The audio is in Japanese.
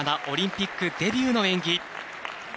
オリンピックデビューの演技。